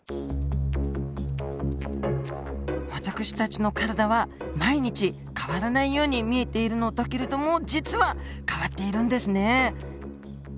私たちの体は毎日変わらないように見えているのだけれども実は変わっているんですね。